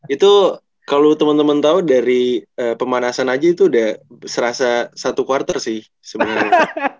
itu kalau teman teman tahu dari pemanasan aja itu udah serasa satu quarter sih sebenarnya